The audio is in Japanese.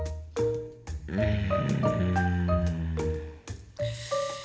うん。